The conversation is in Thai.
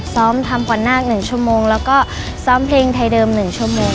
ซ้อมทำขวัญนาค๑ชั่วโมงแล้วก็ซ้อมเพลงไทยเดิม๑ชั่วโมง